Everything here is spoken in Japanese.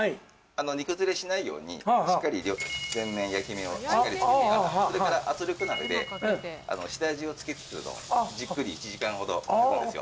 煮崩れしないようにしっかり全面焼き目をしっかりつけて焼くそれから圧力鍋で下味をつけつつじっくり１時間ほど炊くんですよ